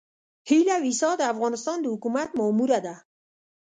هيله ويسا د افغانستان د حکومت ماموره ده.